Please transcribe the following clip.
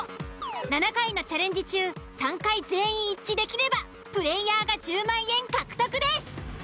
７回のチャレンジ中３回全員一致できればプレイヤーが１０万円獲得です。